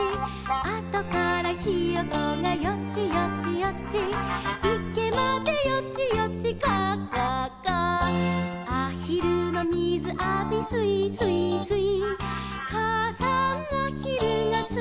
「あとからひよこがよちよちよち」「いけまでよちよちガァガァガァ」「あひるのみずあびすいすいすい」「かあさんあひるがすいすいすい」